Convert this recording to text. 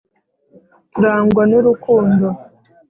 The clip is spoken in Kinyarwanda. turangwa n urukundo